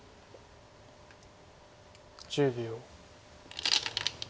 １０秒。